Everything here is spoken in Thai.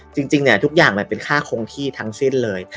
จริงเนี่ยทุกอย่างมันเป็นค่าคงที่ทั้งสิ้นเลย